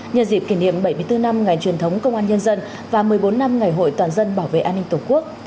nhân dịp kỷ niệm bảy mươi bốn năm ngày truyền thống công an nhân dân và một mươi bốn năm ngày hội toàn dân bảo vệ an ninh tổ quốc